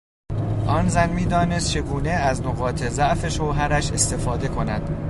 آن زن میدانست چگونه از نقاط ضعف شوهرش استفاده کند.